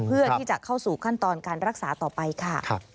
เพื่อที่จะเข้าสู่ขั้นตอนการรักษาต่อไปค่ะ